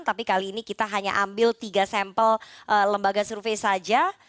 tapi kali ini kita hanya ambil tiga sampel lembaga survei saja